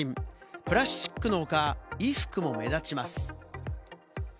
プラスチックの他、衣服も目立ちます。